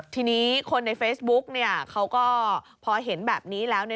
ทีนี้คนในเฟซบุ๊กเขาก็พอเห็นแบบนี้แล้ว